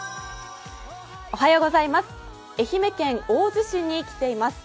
愛媛県大洲市に来ています。